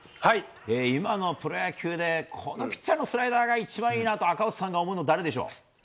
今のプロ野球でこのピッチャーのスライダーが一番いいなと赤星さんが思うのは誰でしょうか。